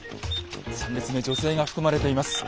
３列目女性が含まれています。